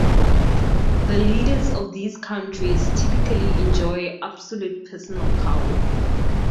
The leaders of these countries typically enjoy absolute personal power.